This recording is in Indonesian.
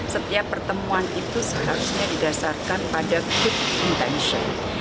setiap pertemuan itu seharusnya didasarkan pada kick intention